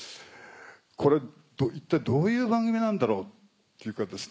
これ一体どういう番組なんだろうって。